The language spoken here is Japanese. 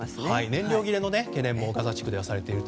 燃料切れの懸念もガザ地区ではされていると。